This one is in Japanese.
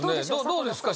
どうですか？